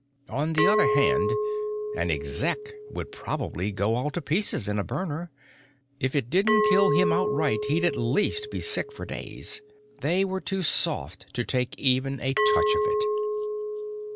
On the other hand, an Exec would probably go all to pieces in a burner. If it didn't kill him outright, he'd at least be sick for days. They were too soft to take even a touch of it.